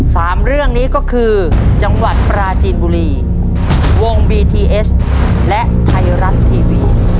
สามเรื่องนี้ก็คือจังหวัดปราจีนบุรีวงบีทีเอสและไทยรัฐทีวี